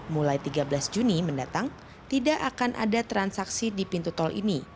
mulai tiga belas juni mendatang tidak akan ada transaksi di pintu tol ini